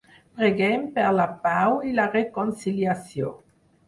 Preguem per la pau i la reconciliació.